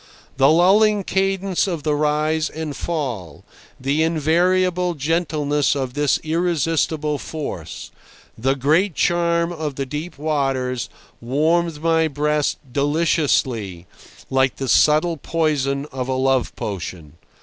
The lulling cadence of the rise and fall, the invariable gentleness of this irresistible force, the great charm of the deep waters, warmed my breast deliciously, like the subtle poison of a love potion.